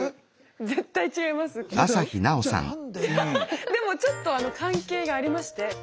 ハハハでもちょっと関係がありまして。